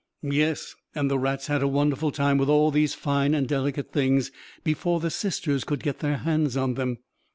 Yes, and the rats had a wonderful time with all these fine and delicate things, before the Sisters could get their hands on them!